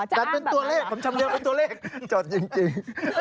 อ๋อจะอ้างแบบว่าจดจริงจดจริง